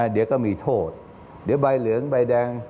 เดี๋ยวก็มีโทษเดี๋ยวใบเหลืองใบแดง